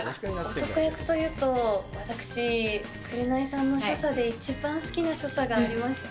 男役というと私、紅さんの所作で一番好きな所作がありまして。